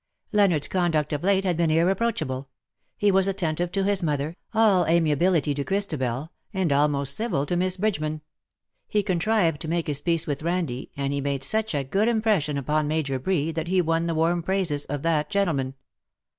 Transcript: Leonard's conduct of late had been irreproachable ; he was attentive to his mother, all amiability ta Christabel, and almost civil to Miss Bridgeman. He contrived to make his peace with Randie, and he made such a good impression upon Major Bree that he won the warm praises of that gentleman.